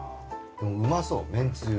でもうまそうめんつゆ。